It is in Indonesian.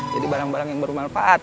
jadi barang barang yang bermanfaat